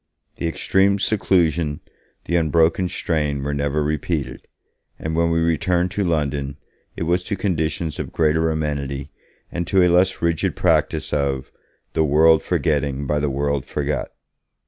The extreme seclusion, the unbroken strain, were never repeated, and when we returned to London, it was to conditions of greater amenity and to a less rigid practice of 'the world forgetting by the world forgot'.